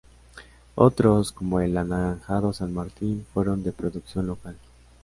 Otros, como el Anaranjado San Martín, fueron de producción local.